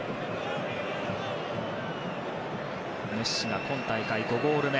メッシが今大会、５ゴール目。